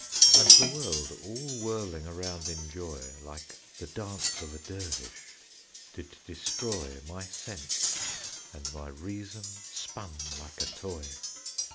And the world all whirling Around in joy Like the dance of a dervish Did destroy My sense and my reason Spun like a toy.